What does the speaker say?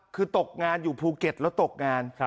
คือตกงานอยู่ภูเก็ตแล้วตกงาน